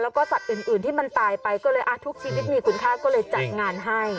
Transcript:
แล้วก็สัตว์อื่นที่มันตายไปก็เลยทุกชีวิตมีคุณค่าก็เลยจัดงานให้